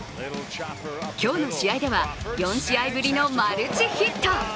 今日の試合では４試合ぶりのマルチヒット。